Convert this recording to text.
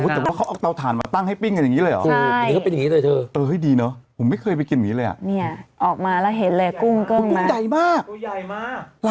แต่ว่าเขาเอาเตาถ่านมาตั้งให้ปิ้งกันอย่างนี้เลยเหรอ